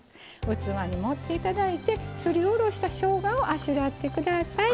器に盛って頂いてすりおろしたしょうがをあしらって下さい。